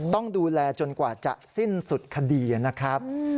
ต้องดูแลจนกว่าจะสิ้นสุดคดีนะครับ